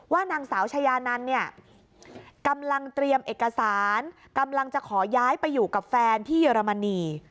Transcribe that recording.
นางสาวชายานันเนี่ยกำลังเตรียมเอกสารกำลังจะขอย้ายไปอยู่กับแฟนที่เยอรมนี